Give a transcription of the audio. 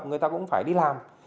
người ta cũng phải đi làm